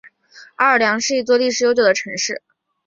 奥尔良是一座历史悠久的城市。